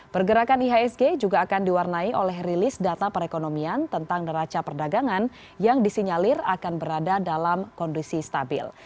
pergerakan ihsg juga akan diwarnai oleh rilis data perekonomian tentang neraca perdagangan yang disinyalir akan berada dalam kondisi stabil